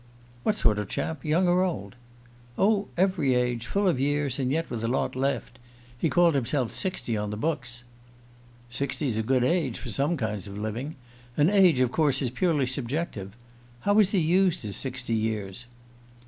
"What sort of chap? Young or old?" "Oh, every age full of years, and yet with a lot left. He called himself sixty on the books." "Sixty's a good age for some kinds of living. And age is of course purely subjective. How has he used his sixty years?"